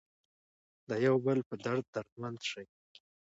د یو بل په درد دردمن شئ.